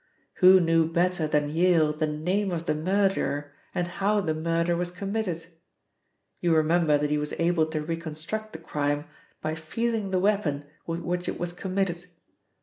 "Who knew better than Yale the name of the murderer and how the murder was committed? You remember that he was able to reconstruct the crime by feeling the weapon with which it was committed.